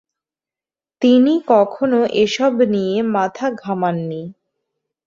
তিনি কখনো এসব নিয়ে মাথা ঘামাননি।